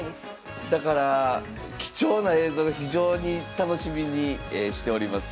だから貴重な映像が非常に楽しみにしております。